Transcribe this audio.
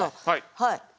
はい。